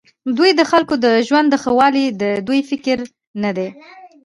دوی د خلکو د ژوند ښهوالی د دوی فکر نه دی.